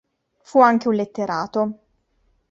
Fu anche un letterato.